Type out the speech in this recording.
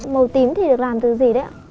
màu tím thì được làm từ gì đấy ạ